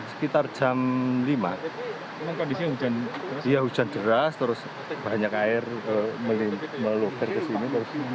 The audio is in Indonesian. sekitar jam lima hujan deras banyak air melukir ke sini